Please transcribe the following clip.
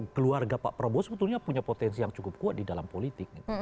keluarga pak prabowo sebetulnya punya potensi yang cukup kuat di dalam politik